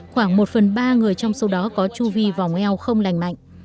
khoảng một phần ba người trong số đó có chu vi vòng eo không lành mạnh